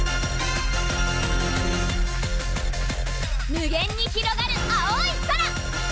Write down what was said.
無限にひろがる青い空！